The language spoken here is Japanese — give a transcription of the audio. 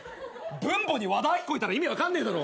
分母に和田アキ子いたら意味分かんねえだろ。